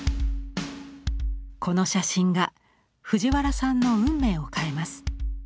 この写真が藤原さんの運命を変えます。